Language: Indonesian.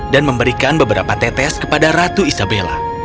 dan memberikan beberapa tetes kepada ratu isabella